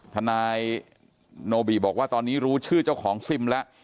ทนายโนบิบอกว่าตอนนี้รู้ชื่อเจ้าของซิมแล้ว